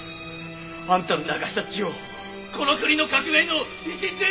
あんたの流した血をこの国の革命の礎とするために！